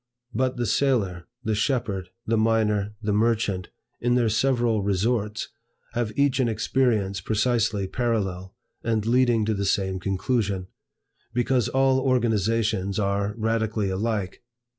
But the sailor, the shepherd, the miner, the merchant, in their several resorts, have each an experience precisely parallel, and leading to the same conclusion: because all organizations are radically alike.